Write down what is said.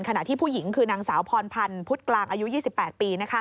ขณะที่ผู้หญิงคือนางสาวพรพันธ์พุทธกลางอายุ๒๘ปี